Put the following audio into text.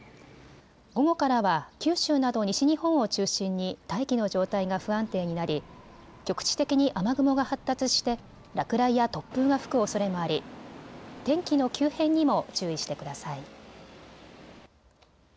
午後からは九州など西日本を中心に大気の状態が不安定になり局地的に雨雲が発達して落雷や突風が吹くおそれもあり天気の急変にも注意してください。